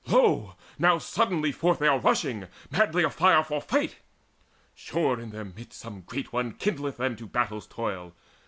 Lo now, suddenly Forth are they rushing, madly afire for fight! Sure, in their midst some great one kindleth them To battle's toil!